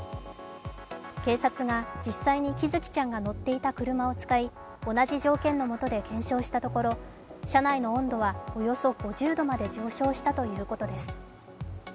警察が実際に喜寿生ちゃんが乗っていた車を使い同じ条件のもとで検証したところ、車内の温度はおよそ５０度まで上昇したということです。